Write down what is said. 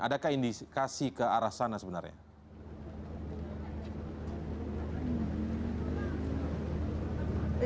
adakah indikasi ke arah sana sebenarnya